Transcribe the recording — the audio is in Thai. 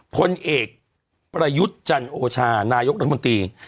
พลเอกประยุทธ์จันโอชานายกรัฐมนตรี